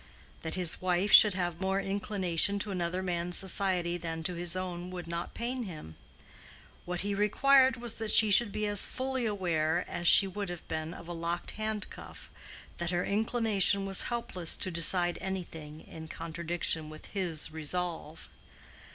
That his wife should have more inclination to another man's society than to his own would not pain him: what he required was that she should be as fully aware as she would have been of a locked hand cuff, that her inclination was helpless to decide anything in contradiction with his resolve.